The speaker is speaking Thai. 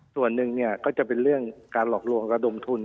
ส่วนหนึ่งก็จะเป็นเรื่องการหลอกลวงระดมทุน